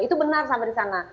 itu benar sampai di sana